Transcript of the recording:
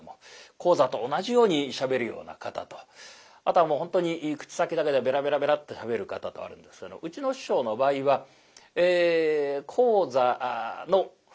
高座と同じようにしゃべるような方とあとはもう本当に口先だけでベラベラベラッとしゃべる方とあるんですけどうちの師匠の場合は高座の５割減というんでしょうかね